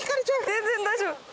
全然大丈夫。